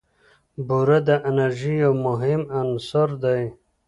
بوره د انرژۍ یو مهم عنصر دی.